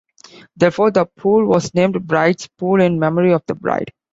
Therefore, the pool was named Bride's Pool in memory of the bride.